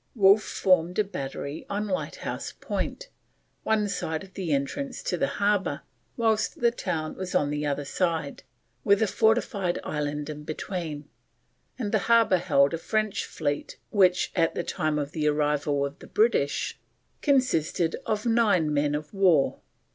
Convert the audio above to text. Wolfe formed a battery on Lighthouse Point, one side of the entrance to the harbour whilst the town was on the other side, with a fortified island in between; and the harbour held a French fleet which, at the time of the arrival of the British, consisted of nine men of war.